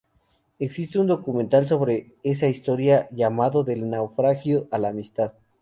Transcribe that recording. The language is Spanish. Existe un documental sobre esa historia, llamado de "Del naufragio a la amistad".